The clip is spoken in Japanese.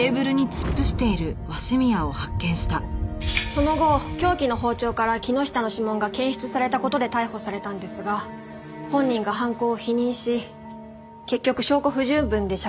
その後凶器の包丁から木下の指紋が検出された事で逮捕されたんですが本人が犯行を否認し結局証拠不十分で釈放されたんです。